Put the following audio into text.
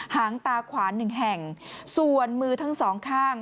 หางตาขวานหนึ่งแห่งส่วนมือทั้งสองข้าง